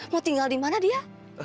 mau tinggal dimana dia